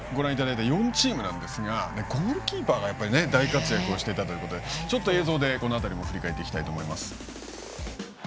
今ご覧いただいた４チームなんですがゴールキーパーが、やっぱり大活躍をしていたということでちょっと映像でこのあたりも振り返っていきたいと思います。